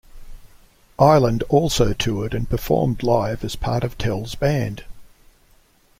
Ireland also toured and performed live as part of Tell's band.